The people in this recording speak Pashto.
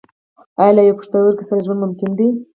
ایا له یوه پښتورګي سره ژوند ممکن دی